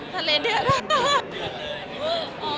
ทะเลเดือน